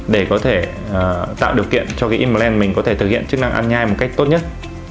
để có thể tạo điều kiện cho cái implant mình có thể thực hiện chức năng ăn nhai một cách tốt nhất